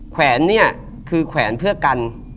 แขวนเนี่ยคือแขวนเพื่อกัน